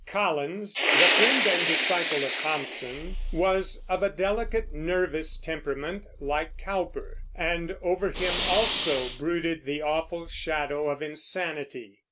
Collins, the friend and disciple of Thomson, was of a delicate, nervous temperament, like Cowper; and over him also brooded the awful shadow of insanity.